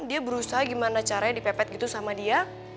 dia berusaha gimana caranya dipepet gitu sama dia